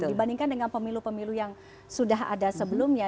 dibandingkan dengan pemilu pemilu yang sudah ada sebelumnya